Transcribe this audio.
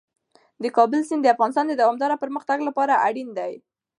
د کابل سیند د افغانستان د دوامداره پرمختګ لپاره اړین دي.